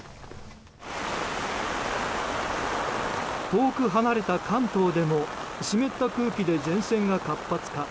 遠く離れた関東でも湿った空気で前線が活発化。